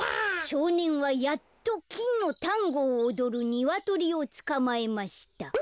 「しょうねんはやっときんのタンゴをおどるニワトリをつかまえました」。